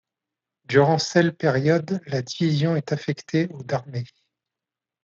Durant celle période la division est affectée au d'armée.